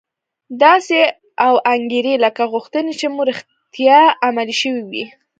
داسې و انګیرئ لکه غوښتنې چې مو رښتیا عملي شوې وي